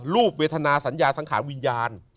เวทนาสัญญาสังขารวิญญาณ